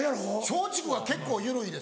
松竹は結構緩いです。